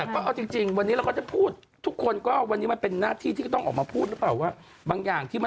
แต่ก็เอาจริงหรือว่าวันนี้เราก็จะพูดทุกคนก็วันนี้